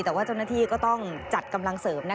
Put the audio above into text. แต่ว่าเจ้าหน้าที่ก็ต้องจัดกำลังเสริม